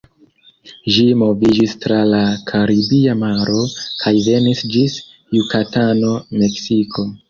Ĝi moviĝis tra la Karibia Maro, kaj venis ĝis Jukatano, Meksiko.